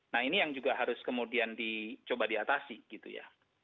nah ini yang juga harus kemudian dicoba diatasi gitu ya